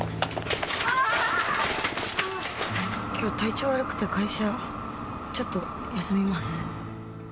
きょう、体調悪くて、会社、ちょっと休みます。